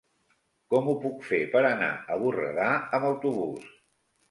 Com ho puc fer per anar a Borredà amb autobús?